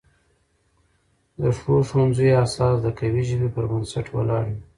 د ښو ښوونځیو اساس د قوي ژبې پر بنسټ ولاړ وي.